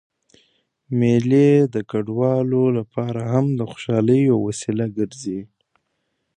مېلې د کډوالو له پاره هم د خوشحالۍ یوه وسیله ګرځي.